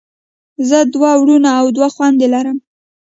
زه دوه وروڼه او دوه خویندی لرم.